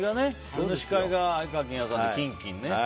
それの司会が愛川欽也さんでキンキンね。